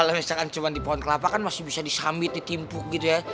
kalau misalkan cuma di pohon kelapa kan masih bisa disambit ditimpuk gitu ya